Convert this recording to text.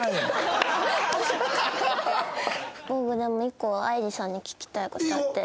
僕でも１個愛理さんに聞きたい事あって。